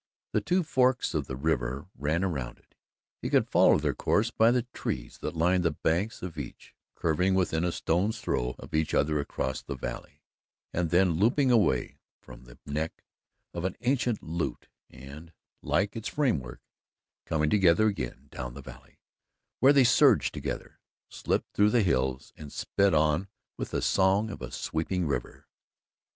The two forks of the river ran around it he could follow their course by the trees that lined the banks of each curving within a stone's throw of each other across the valley and then looping away as from the neck of an ancient lute and, like its framework, coming together again down the valley, where they surged together, slipped through the hills and sped on with the song of a sweeping river.